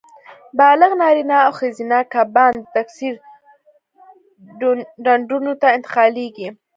بالغ نارینه او ښځینه کبان د تکثیر ډنډونو ته انتقالېږي.